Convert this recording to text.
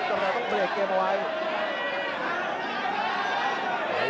กรรมการต้องเปลี่ยนเกมเอาไว้